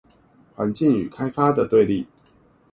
環境與開發的對立